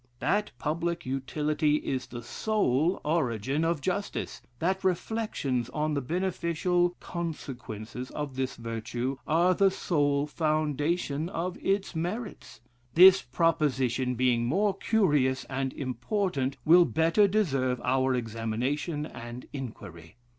That public utility is the sole origin of justice, that reflections on the beneficial consequences of this virtue are the sole foundation of its merit; this proposition being more curious and important, will better deserve our examination and inquiry.